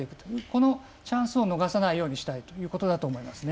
そのチャンスを逃さないようにしたいということだと思います。